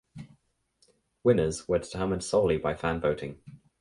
Winners were determined solely by fan voting.